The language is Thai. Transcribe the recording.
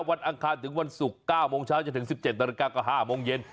อังคารถึงวันศุกร์๙โมงเช้าจนถึง๑๗นาฬิกาก็๕โมงเย็น